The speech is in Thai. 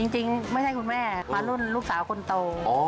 จริงไม่ใช่คุณแม่มารุ่นลูกสาวคนโต